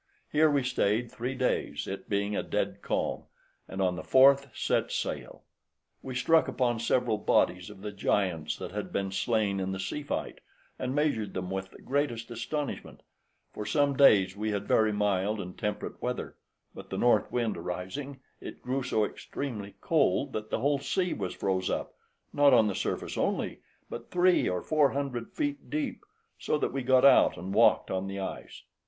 Here we stayed three days, it being a dead calm, and on the fourth set sail; we struck upon several bodies of the giants that had been slain in the sea fight, and measured them with the greatest astonishment: for some days we had very mild and temperate weather, but the north wind arising, it grew so extremely cold, that the whole sea was froze up, not on the surface only, but three or four hundred feet deep, so that we got out and walked on the ice.